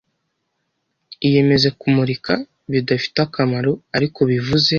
Iyemeze kumurika: bidafite akamaro ariko bivuze.